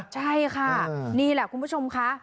ใช่ค่ะนี่แหละคุณผู้ชมค่ะ